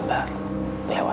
terima kasih pak